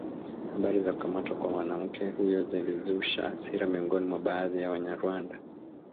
Habari za kukamatwa kwa mwanamke huyo zilizusha hasira miongoni mwa baadhi ya Wanyarwanda